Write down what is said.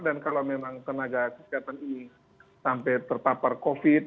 dan kalau memang tenaga kesehatan ini sampai terpapar covid